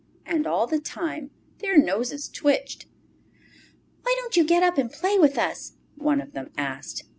And all the time their noses twitched. "Why don't you get up and play with us?" one of them asked.